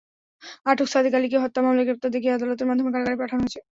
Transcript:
আটক সাদেক আলীকে হত্যা মামলায় গ্রেপ্তার দেখিয়ে আদালতের মাধ্যমে কারাগারে পাঠানো হয়েছে।